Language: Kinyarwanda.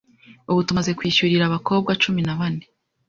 ubu tumaze kwishyurira abakobwa cumi na bane.